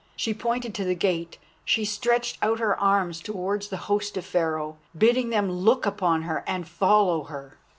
She pointed to the gate, she stretched out her arms towards the host of Pharaoh, bidding them look upon her and follow her.